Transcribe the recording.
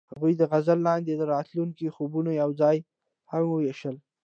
هغوی د غزل لاندې د راتلونکي خوبونه یوځای هم وویشل.